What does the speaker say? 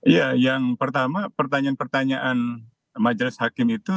ya yang pertama pertanyaan pertanyaan majelis hakim itu